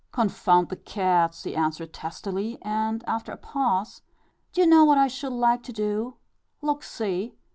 "Confound the cats!" he answered testily, and, after a pause, "D'ye know what I should like to do? Look, see.